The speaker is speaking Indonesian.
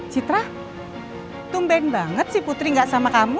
citra tumbain banget sih putri gak sama kamu